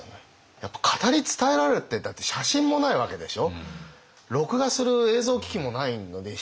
やっぱ語り伝えられるってだって写真もないわけでしょ。